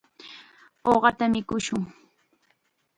Uqata mikushun.